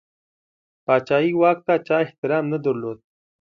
پاچهي واک ته چا احترام نه درلود.